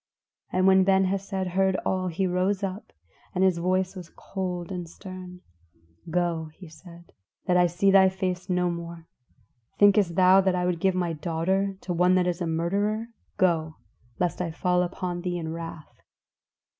And when Ben Hesed heard all he rose up, and his voice was cold and stern. "Go," he said, "that I see thy face no more. Thinkest thou that I will give my daughter to one that is a murderer? Go, lest I fall upon thee in wrath."